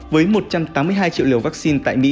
với một trăm tám mươi hai triệu liều vaccine tại mỹ